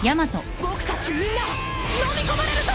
僕たちみんなのみ込まれるぞ！